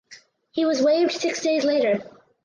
He was waived six days later.